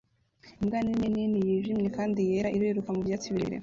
Imbwa nini nini yijimye kandi yera iriruka mu byatsi birebire